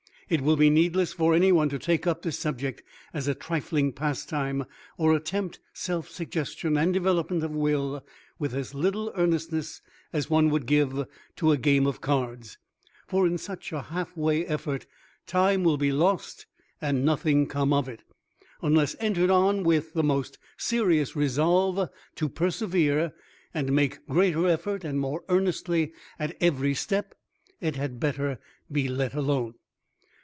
It will be needless for anyone to take up this subject as a trifling pastime, or attempt self suggestion and development of will with as little earnestness as one would give to a game of cards; for in such a half way effort time will be lost and nothing come of it. Unless entered on with the most serious resolve to persevere, and make greater effort and more earnestly at every step, it had better be let alone.